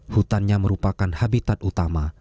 hutannya merupakan habitat utama